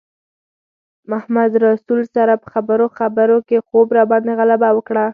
محمدرسول سره په خبرو خبرو کې خوب راباندې غلبه وکړه.